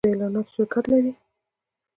کاناډا د اعلاناتو شرکتونه لري.